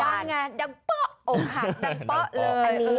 ดังงานดังป๊อกโอ้ค่ะดังป๊อกเลย